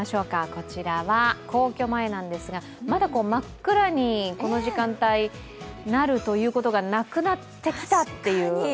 こちらは皇居前なんですが、まだ真っ暗にこの時間帯なるということがなくなってきたという。